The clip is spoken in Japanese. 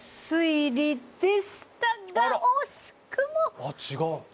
ああ違う。